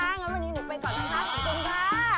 งั้นวันนี้หนูไปก่อนนะคะขอบคุณค่ะ